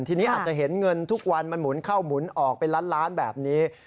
ทีนี้อาจจะเห็นเงินทุกวันมันหมุนเข้าหมุนออกเป็นล้านล้านแบบนี้